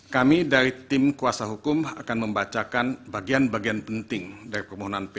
kami dari tim kuasa hukum akan membacakan bagian bagian penting dari permohonan p tiga